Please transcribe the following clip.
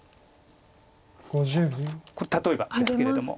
例えばですけれども。